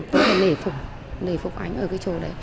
tôi phải nể phục nể phục anh ở cái chỗ đấy